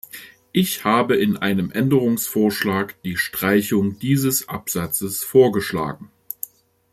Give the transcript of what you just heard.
Ich habe in einem Änderungsvorschlag die Streichung dieses Absatzes vorgeschlagen.